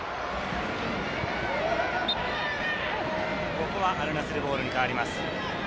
ここはアルナスルボールに変わります。